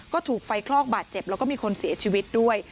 ก็ถูกไฟคลอกบาดเจ็บแล้วก็มีคนเสียชีวิตด้วย